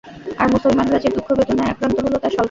আর মুসলমানরা যে দুঃখ বেদনায় আক্রান্ত হল তা স্বল্প।